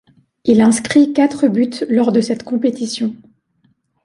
Il inscrit quatre buts lors de cette compétition.